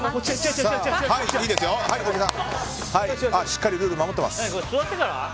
しっかりルール守ってます。